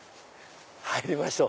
入りましょう。